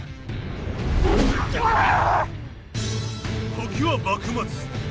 時は幕末。